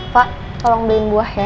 pak tolong beliin buah ya